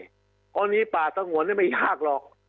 เพราะนี่ป่าสงวนไม่ยากหรอก